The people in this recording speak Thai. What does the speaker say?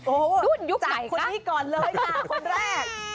โอ้โฮจัดคุณให้ก่อนเลยค่ะคนแรก